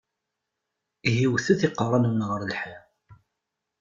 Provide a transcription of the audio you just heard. Ihi wwtet iqeṛṛa-nwen ɣer lḥiḍ!